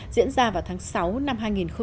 diễn ra vào tháng sáu năm hai nghìn một mươi sáu